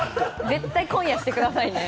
絶対今夜してくださいね？